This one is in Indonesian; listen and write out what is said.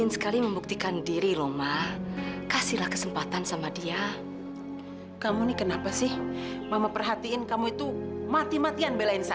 sampai jumpa di video selanjutnya